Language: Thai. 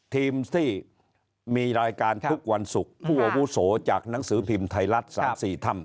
ทีมที่มีรายการทุกวันศุกร์ผู้อาวุโสจากหนังสือพิมพ์ไทยรัฐ๓๔ถ้ำ